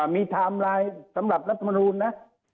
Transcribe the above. มีไทม์ไลน์สำหรับรัฐมนูลนะ